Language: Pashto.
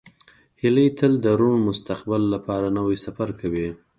هیلۍ تل د روڼ مستقبل لپاره سفر کوي